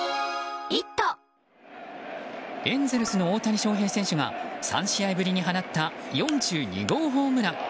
エンゼルスの大谷翔平選手が３試合ぶりに放った４２号ホームラン。